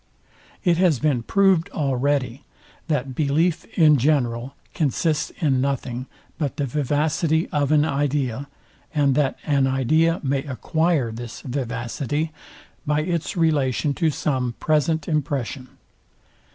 It has been proved already, that belief in general consists in nothing, but the vivacity of an idea; and that an idea may acquire this vivacity by its relation to some present impression.